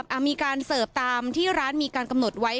มีการเสิร์ฟตามที่ร้านมีการกำหนดไว้